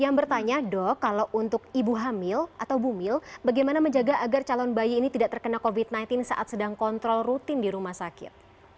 yang bertanya dok kalau untuk ibu hamil atau bumil bagaimana menjaga agar calon bayi ini tidak terkena covid sembilan belas saat sedang kontrol rutin di rumah sakit